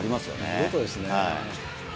見事ですね。